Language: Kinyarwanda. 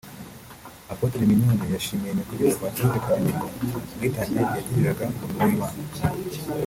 Apotre Mignonne yashimiye nyakwigendera Patrick Kanyamirwa ku bwitange yagiriraga umurimo w'Imana